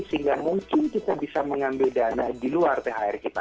sehingga mungkin kita bisa mengambil dana di luar thr kita